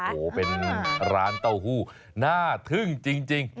โอ้โหเป็นร้านเต้าหู้น่าทึ่งจริง